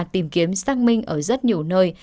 tìm kiếm xác minh ở rất nhiều nơi